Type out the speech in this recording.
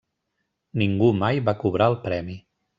Ningú mai va cobrar el premi.